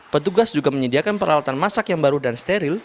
petugas juga menyediakan peralatan masak yang baru dan steril